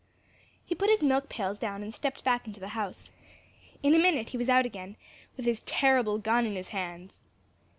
He put his milk pails down and stepped back into the house. In a minute he was out again, with his terrible gun in his hands.